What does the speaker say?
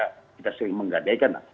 kita sering menggadaikan